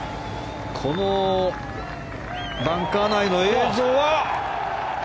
このバンカー内の映像は。